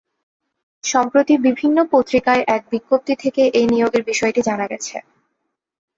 সম্প্রতি বিভিন্ন পত্রিকায় এক বিজ্ঞপ্তি থেকে এ নিয়োগের বিষয়টি জানা গেছে।